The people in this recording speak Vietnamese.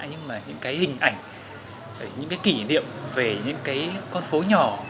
nhưng mà những cái hình ảnh những cái kỷ niệm về những cái con phố nhỏ